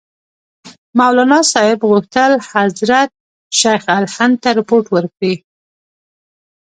مولناصاحب غوښتل حضرت شیخ الهند ته رپوټ ورکړي.